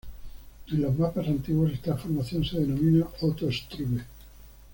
En los mapas antiguos esta formación se denominaba "Otto Struve".